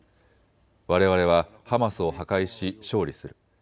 われわれはハマスを破壊し勝利する。